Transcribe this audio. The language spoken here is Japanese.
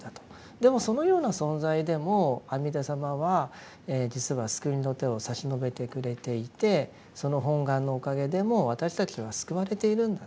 でもそのような存在でも阿弥陀様は実は救いの手を差し伸べてくれていてその本願のおかげでもう私たちは救われているんだと。